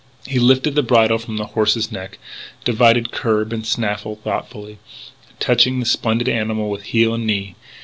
He lifted the bridle from the horse's neck, divided curb and snaffle thoughtfully, touched the splendid animal with heel and knee.